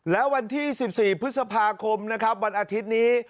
แล้ววันที่๒๔พฤษภาคมวันอาทิตย์นี้